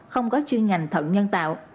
không có chuyên ngành thận nhân tạo